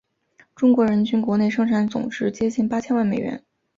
中国人均国内生产总值接近八千万美元。